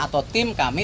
atau tim kami